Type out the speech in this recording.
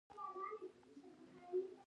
د ادبي نثر د لیکوال احساس اساسي رول لري.